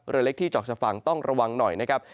เรือเล็กที่เจาะจากฝั่งต้องระวังหน่อยนะครับ